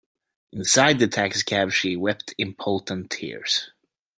Inside the taxicab she wept impotent tears.